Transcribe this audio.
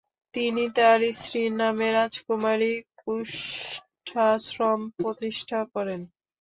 তিনি তাঁর স্ত্রীর নামে রাজকুমারী কুষ্ঠাশ্রম প্রতিষ্ঠা করেন।